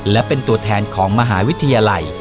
และเป็นตัวแทนของมหาวิทยาลัย